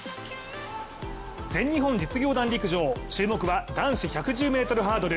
全日本実業団陸上、注目は男子１１０ｍハードル。